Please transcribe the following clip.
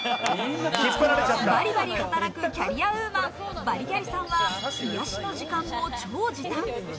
バリバリ働くキャリアウーマン、バリキャリさんは癒やしの時間も超時短。